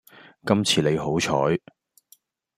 今次你好彩